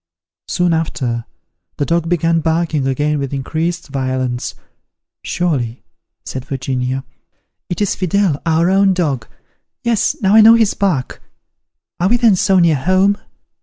Soon after, the dog began barking again with increased violence. "Surely," said Virginia, "it is Fidele, our own dog: yes, now I know his bark. Are we then so near home?